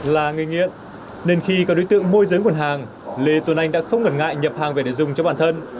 là người nghiện nên khi có đối tượng môi giới nguồn hàng lê tuấn anh đã không ngần ngại nhập hàng về để dùng cho bản thân